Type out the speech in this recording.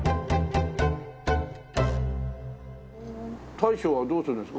大将はどうするんですか？